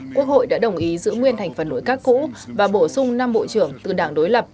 quốc hội đã đồng ý giữ nguyên thành phần nội các cũ và bổ sung năm bộ trưởng từ đảng đối lập